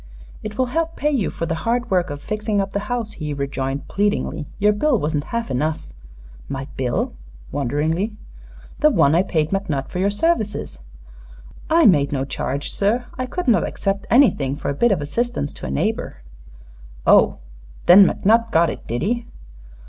"It will help pay you for the hard work of fixing up the house," he rejoined, pleadingly. "Your bill wasn't half enough." "My bill?" wonderingly. "The one I paid McNutt for your services." "I made no charge, sir. I could not accept anything for a bit of assistance to a neighbor." "Oh! Then McNutt got it, did he?"